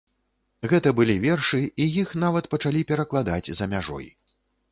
Гэта былі вершы, і іх нават пачалі перакладаць за мяжой.